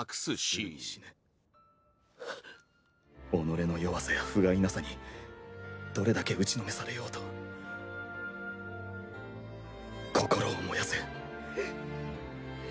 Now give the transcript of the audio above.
煉獄：己の弱さやふがいなさにどれだけ打ちのめされようと心を燃やせ。